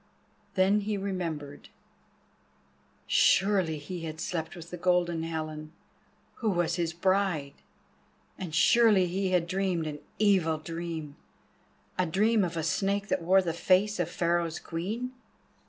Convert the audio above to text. Then he remembered. Surely he had slept with the Golden Helen, who was his bride, and surely he had dreamed an evil dream, a dream of a snake that wore the face of Pharaoh's Queen.